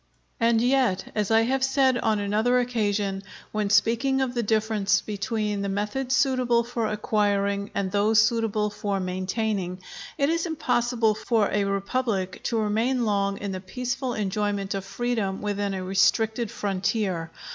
And yet, as I have said on another occasion, when speaking of the difference between the methods suitable for acquiring and those suitable for maintaining, it is impossible for a republic to remain long in the peaceful enjoyment of freedom within a restricted frontier.